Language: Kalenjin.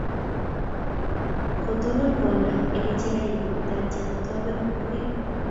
Kotonon kwanda eng' ng'echeret nyi. Tatya kotoben kurget.